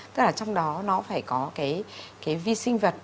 tức là trong đó nó phải có cái vi sinh vật